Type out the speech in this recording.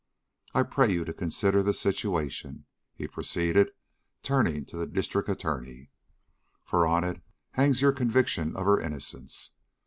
I pray you to consider the situation," he proceeded, turning to the District Attorney, "for on it hangs your conviction of her innocence.